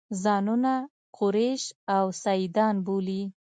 ځانونه قریش او سیدان بولي.